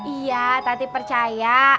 iya tadi percaya